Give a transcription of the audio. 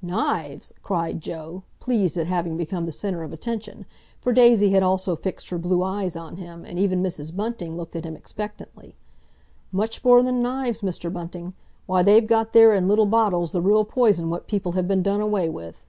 "Knives?" cried Joe, pleased at having become the centre of attention, for Daisy had also fixed her blue eyes on him, and even Mrs. Bunting looked at him expectantly. "Much more than knives, Mr. Bunting! Why, they've got there, in little bottles, the real poison what people have been done away with."